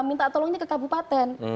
minta tolongnya ke kabupaten